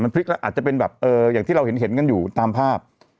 อ่ามันพลิกแล้วอาจจะเป็นแบบเอออย่างที่เราเห็นเห็นกันอยู่ตามภาพ